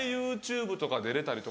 ＹｏｕＴｕｂｅとか出れたり。